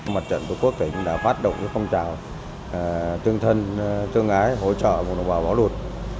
mặt trận của quốc tỉnh đã phát động cái phong trào tương thân tương ái hỗ trợ của đồng bào báo luật